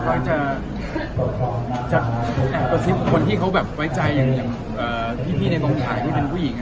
เขาจะแอบกระซิบคนที่เขาแบบไว้ใจอย่างพี่ในกองถ่ายที่เป็นผู้หญิง